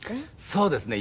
そうですね。